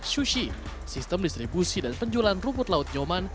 sushi sistem distribusi dan penjualan rumput laut nyoman